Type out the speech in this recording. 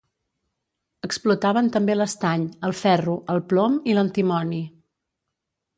Explotaven també l'estany, el ferro, el plom i l'antimoni.